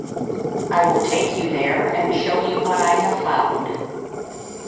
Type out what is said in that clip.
I will take you there and show you what I have found.